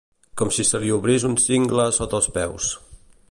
Com si se li obrís un cingle a sota els peus.